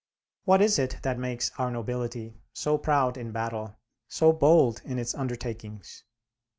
What is it that makes our nobility so proud in battle, so bold in its undertakings?